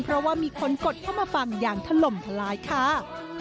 เพราะว่ามีคนกดเข้ามาฟังอย่างถล่มทลายค่ะ